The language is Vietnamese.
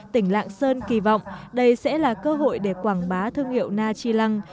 tỉnh lạng sơn kỳ vọng đây sẽ là cơ hội để quảng bá thương hiệu na chi lăng